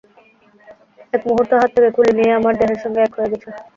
এক মুহূর্ত হাত থেকে খুলি নি, এ আমার দেহের সঙ্গে এক হয়ে গেছে।